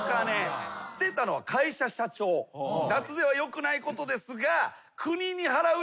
脱税はよくないことですが。